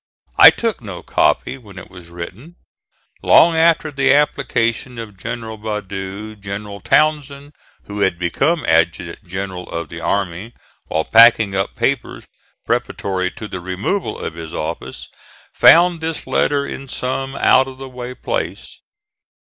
I took no copy when it was written. Long after the application of General Badeau, General Townsend, who had become Adjutant General of the Army, while packing up papers preparatory to the removal of his office, found this letter in some out of the way place.